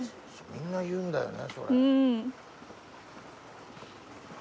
みんな言うんだよねそれ。